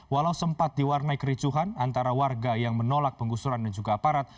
walau sempat diwarnai kericuhan antara warga yang menolak penggusuran dan juga aparat